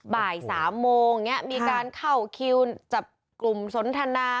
บ่าย๓โมงมีการเข้าคิวจับกลุ่มสนทนา